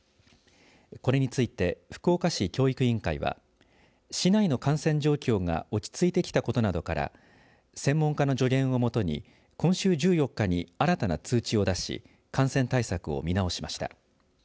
これについて福岡市教育委員会は市内の感染状況が落ち着いてきたことなどから専門家の助言をもとに今週１４日に新たな通知を出し感染対策を見直しました。